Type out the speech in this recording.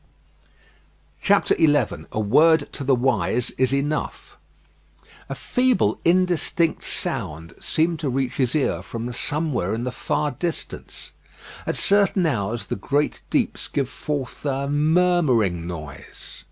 XI A WORD TO THE WISE IS ENOUGH A feeble, indistinct sound seemed to reach his ear from somewhere in the far distance. At certain hours the great deeps give forth a murmuring noise.